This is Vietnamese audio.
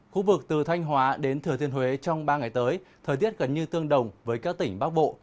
khu vực từ thanh hóa đến thừa thiên huế trong ba ngày tới thời tiết gần như tương đồng với các tỉnh bắc bộ